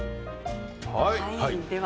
では